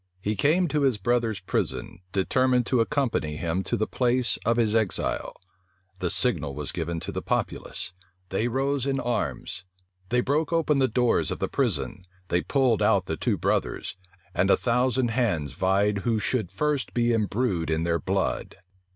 He came to his brothers prison, determined to accompany him to the place of his exile. The signal was given to the populace. They rose in arms: they broke open the doors of the prison; they pulled out the two brothers; and a thousand hands vied who should first be imbrued in their blood.